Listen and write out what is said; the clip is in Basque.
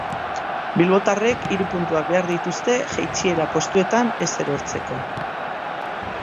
Bilbotarrek hiru puntuak behar dituzte jaitsiera postuetan ez erortzeko.